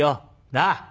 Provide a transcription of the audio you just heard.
なあ？